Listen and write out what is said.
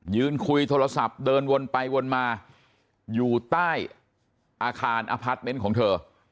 ยืนคุยโทรศัพท์เดินวนไปวนมาอยู่ใต้อาคารอพาร์ทเมนต์ของเธอ